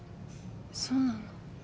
そうなの？